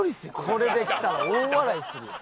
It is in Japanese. これで来たら大笑いするやん。